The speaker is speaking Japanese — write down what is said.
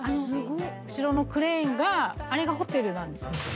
後ろのクレーンがあれがホテルなんですよ。